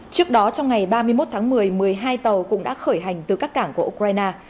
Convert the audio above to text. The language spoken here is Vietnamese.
trước đó trong ngày ba mươi một tháng một mươi một mươi hai tàu cũng đã khởi hành từ các cảng của ukraine